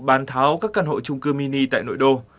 bán tháo các căn hộ trung cư mini tại nội đô